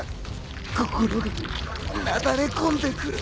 心がなだれ込んでくる。